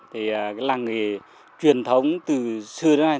thì là nghề truyền thống từ xưa đến nay